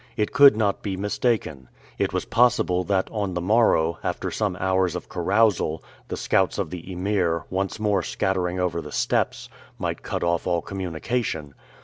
It could not be mistaken. It was possible that on the morrow, after some hours of carousal, the scouts of the Emir, once more scattering over the steppes, might cut off all communication.